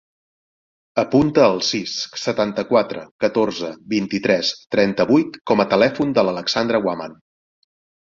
Apunta el sis, setanta-quatre, catorze, vint-i-tres, trenta-vuit com a telèfon de l'Alexandra Guaman.